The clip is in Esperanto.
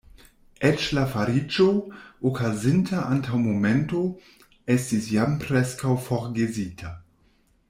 Eĉ la fariĝo, okazinta antaŭ momento, estis jam preskaŭ forgesita.